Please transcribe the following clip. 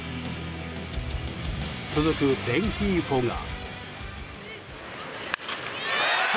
続くレンヒーフォが。